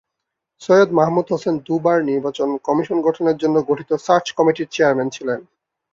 সৈয়দ মাহমুদ হোসেন দু’বার নির্বাচন কমিশন গঠনের জন্য গঠিত সার্চ কমিটির চেয়ারম্যান ছিলেন।